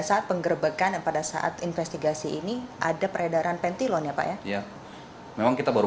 saat penggerbekan dan pada saat investigasi ini ada peredaran pentilon ya pak ya memang kita baru